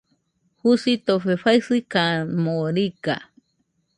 Jusitofe faɨsɨkamo riga.